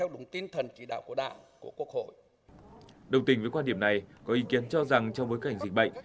đồng tình với quan điểm này có ý kiến cho rằng trong bối cảnh dịch bệnh